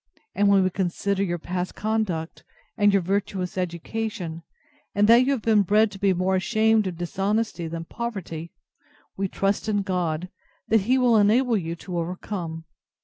And when we consider your past conduct, and your virtuous education, and that you have been bred to be more ashamed of dishonesty than poverty, we trust in God, that He will enable you to overcome.